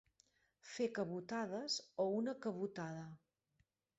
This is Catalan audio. Fer cabotades o una cabotada.